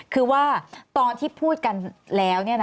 คือว่าตอนที่พูดกันแล้ว